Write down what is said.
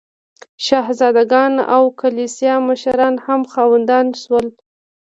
شهزاده ګان او کلیسا مشران هم خاوندان شول.